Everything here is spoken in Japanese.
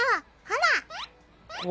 ほら！